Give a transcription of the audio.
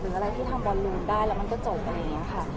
หรืออะไรที่ทำบอลลูนได้แล้วมันก็จบแบบนี้ค่ะ